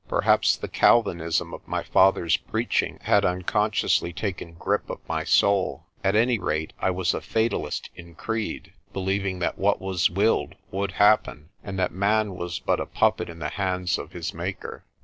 Perhaps the Calvinism of my father's preaching had unconsciously taken grip of my soul. At any rate I was a fatalist in creed, believing that what was willed would happen and that man was but a puppet in the hands of his Maker.